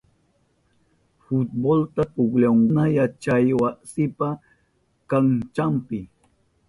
Futbolta pukllahunkuna yachaywasipa kanchanpi.